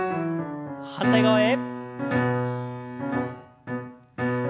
反対側へ。